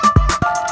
kau mau kemana